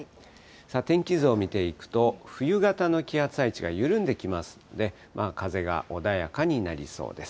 天気図を見ていくと、冬型の気圧配置が緩んできますので、風が穏やかになりそうです。